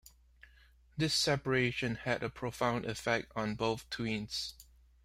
This separation had a profound effect on both twins.